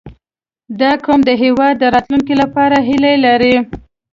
• دا قوم د هېواد د راتلونکي لپاره هیله لري.